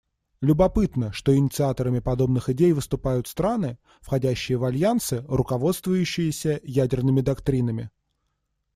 Любопытно, что инициаторами подобных идей выступают страны, входящие в альянсы, руководствующиеся ядерными доктринами.